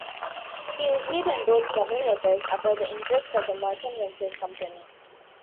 He received and wrote several letters about the interests of the merchant venturers company.